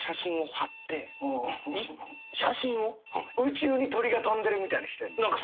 宇宙に鳥が飛んでるみたいにしてんの？